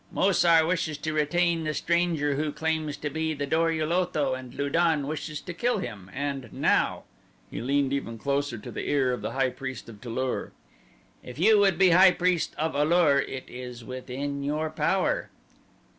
Mo sar wishes to retain the stranger who claims to be the Dor ul Otho and Lu don wishes to kill him, and now," he leaned even closer to the ear of the high priest of Tu lur, "if you would be high priest at A lur it is within your power."